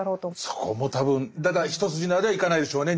そこも多分一筋縄ではいかないでしょうね。